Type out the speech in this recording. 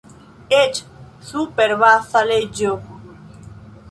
Eĉ super Baza Leĝo!